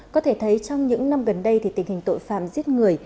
có thể thấy trong những năm gần đây thì tình hình tội phạm giết người